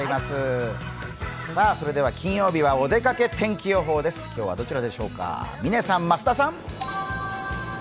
それでは金曜日は「おでかけ天気予報」です今日はどちらでしょうか、嶺さん、増田さん。